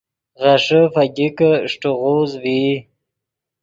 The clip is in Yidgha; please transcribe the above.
غیݰے فگیکے اݰٹے غوز ڤئی